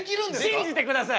信じてください。